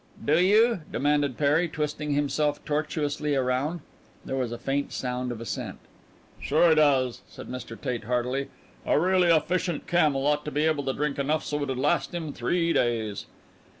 "Do you?" demanded Perry, twisting himself tortuously round. There was a faint sound of assent. "Sure he does!" said Mr. Tate heartily. "A really efficient camel ought to be able to drink enough so it'd last him three days."